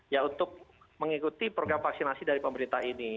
ya untuk mengikuti program vaksinasi dari pemerintah ini